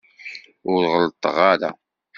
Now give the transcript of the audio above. Ur ɣelṭeɣ ara.